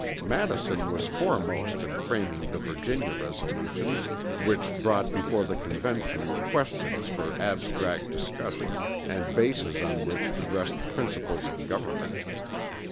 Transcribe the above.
Madison was foremost in framing the Virginia resolutions, which brought before the Convention questions for abstract discussion and bases on which to rest principles of government.